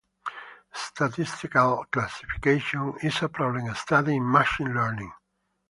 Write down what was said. Statistical classification is a problem studied in machine learning.